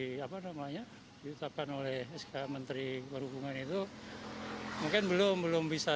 utapan namanya diutapkan oleh sk menteri perhubungan itu mungkin belum belum bisa